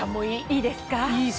いいですか？